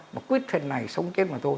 mà quyết phần này sống chết mà thôi